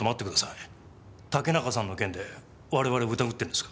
竹中さんの件で我々を疑っているのですか？